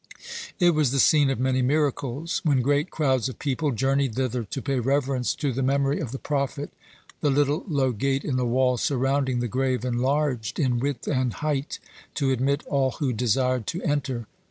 It was the scene of many miracles. When great crowds of people journeyed thither to pay reverence to the memory of the prophet, the little low gate in the wall surrounding the grave enlarged in width and height to admit all who desired to enter.